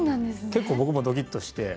結構僕もドキッとして。